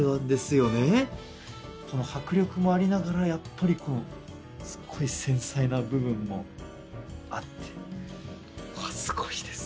この迫力もありながらやっぱりこうすごい繊細な部分もあってうわっすごいですね。